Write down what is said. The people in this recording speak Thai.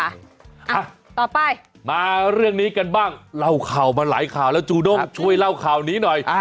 อ่ะต่อไปมาเรื่องนี้กันบ้างเล่าข่าวมาหลายข่าวแล้วจูด้งช่วยเล่าข่าวนี้หน่อย